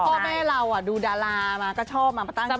คือพ่อแม่เราดูดารามาก็ชอบมาตั้งชื่อ